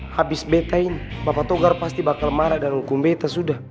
habis betain bapak togar pasti bakal marah dan ngukum beta sudah